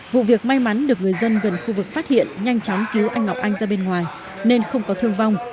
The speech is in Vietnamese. vụ việc may mắn được người dân gần khu vực phát hiện nhanh chóng cứu anh ngọc anh ra bên ngoài nên không có thương vong